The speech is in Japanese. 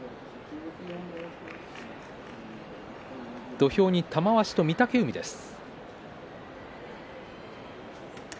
土俵に玉鷲と御嶽海です。